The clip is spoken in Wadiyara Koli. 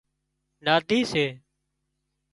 نادي سي